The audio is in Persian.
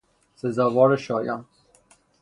سزاوار شایان